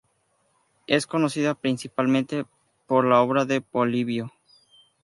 Es conocida principalmente por la obra de Polibio.